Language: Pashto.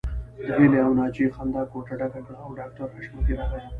د هيلې او ناجيې خندا کوټه ډکه کړه او ډاکټر حشمتي راغی